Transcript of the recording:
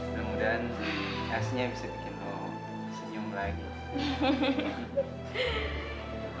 mudah mudahan esnya bisa bikin lo senyum lagi